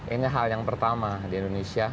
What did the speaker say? ini hal yang pertama di indonesia